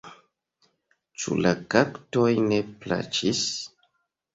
Ĉu la kaktoj ne plaĉis?